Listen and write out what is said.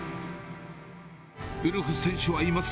ウルフ選手は言います。